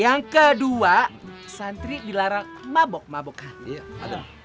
yang kedua santri dilarang mabok mabokan